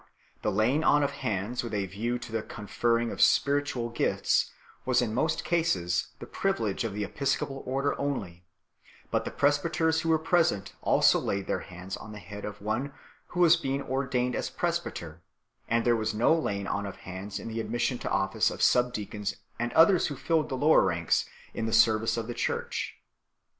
The laying on of hands with a view to the conferring of spiritual gifts was in most cases the privilege of the episcopal order only, but the presbyters who were present also laid their hands on the head of one who was being ordained presbyter, and there was no laying on of hands in the admission to office of subdeacons and others who filled the lower ranks in the service of the Church 4